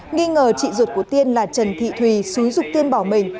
nghi ngờ chị ruột của tiên là trần thị thùy xúi rục tiên bỏ mình